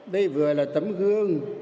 đây vừa là tấm gương